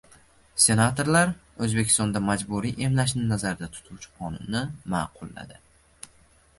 Senatorlar O‘zbekistonda majburiy emlashni nazarda tutuvchi qonunni ma’qulladi